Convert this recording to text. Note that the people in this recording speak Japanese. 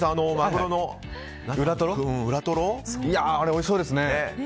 あれ、おいしそうですね。